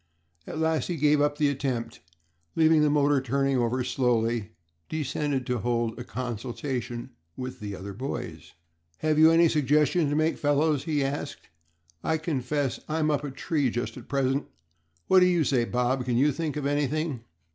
At last he gave up the attempt, and leaving the motor turning over slowly, descended to hold a consultation with the other boys. "Have you any suggestions to make, fellows?" he asked, "I confess I'm up a tree just at present. What do you say, Bob? Can you think of anything?"